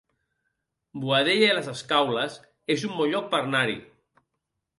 Boadella i les Escaules es un bon lloc per anar-hi